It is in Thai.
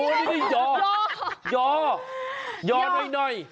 โอ้โย่อย่อท้ายหน่อย